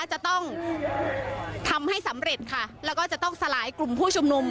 จะต้องทำให้สำเร็จค่ะแล้วก็จะต้องสลายกลุ่มผู้ชุมนุม